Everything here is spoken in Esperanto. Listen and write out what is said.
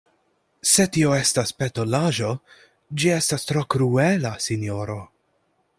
Se tio estas petolaĵo, ĝi estas tro kruela, sinjoro.